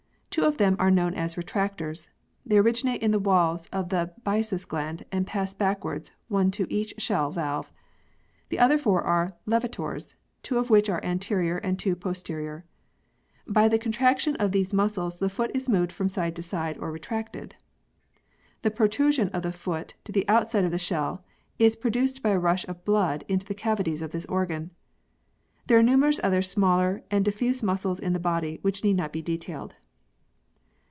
Two of them are known as Retractors. They originate in the walls of the byssus gland and pass backwards one to each shell valve. The other four are Levators, two of which are anterior arid two posterior. By the contraction of these muscles the foot is moved from side to side or retracted. The protrusion of the foot to the outside of the shell is produced by a rush of blood into the cavities of this organ. There are numerous other smaller and diffuse muscles in the body which need not be detailed.